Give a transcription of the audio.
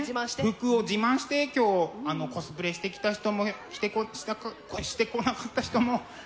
服を自慢して今日コスプレしてきた人も着てしてこなかった人も自慢して。